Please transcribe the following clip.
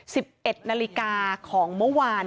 สิบเอ็ดนาฬิกาของเมื่อวาน